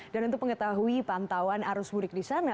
dan untuk pengetahui pantauan arus budik di sana